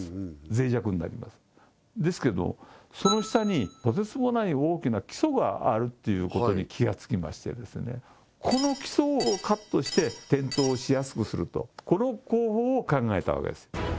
ぜい弱になりますですけれどその下にとてつもない大きな基礎があるっていうことに気がつきましてこの基礎をカットして転倒しやすくするとこの工法を考えたわけです